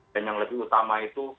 dan yang lebih utama itu